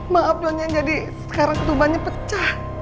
maaf nyonya jadi sekarang ketumbangnya pecah